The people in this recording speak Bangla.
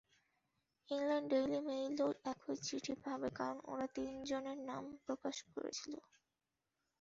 ইংল্যান্ডের ডেইলি মেইলও একই চিঠি পাবে কারণ ওরা তিনজনের নাম প্রকাশ করেছিল।